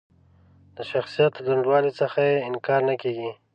د شخصیت له دروندوالي څخه یې انکار نه کېږي.